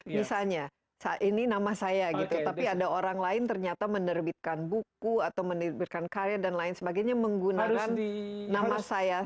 misalnya ini nama saya gitu tapi ada orang lain ternyata menerbitkan buku atau menerbitkan karya dan lain sebagainya menggunakan nama saya